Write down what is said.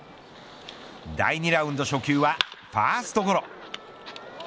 第２ラウンド初球はファーストゴロ。